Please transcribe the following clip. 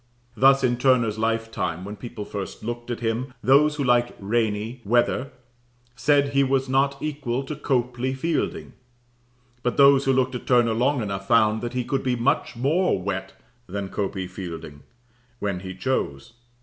Thus in Turner's lifetime, when people first looked at him, those who liked rainy, weather, said he was not equal to Copley Fielding; but those who looked at Turner long enough found that he could be much more wet than Copley Fielding, when he chose.